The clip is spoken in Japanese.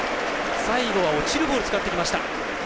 最後は落ちるボールを使ってきました。